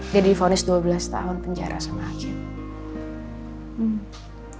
dia divonis dua belas tahun penjara sama akib